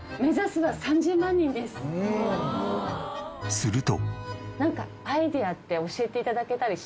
すると。